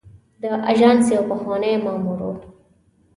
د آژانس یو پخوانی مامور و.